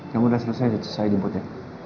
kamu udah selesai saya jemput ya